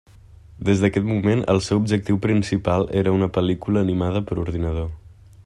Des d'aquell moment, el seu objectiu principal era una pel·lícula animada per ordinador.